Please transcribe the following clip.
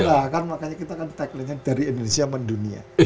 makanya kita tagline nya dari indonesia sama dunia